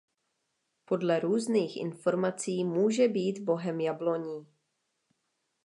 Podle různých informací může být bohem jabloní.